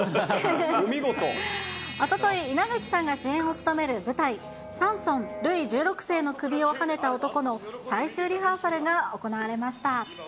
おととい、稲垣さんが主演を務める舞台、サンソンールイ１６世の首を刎ねた男の最終リハーサルが行われました。